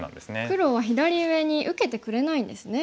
黒は左上に受けてくれないんですね。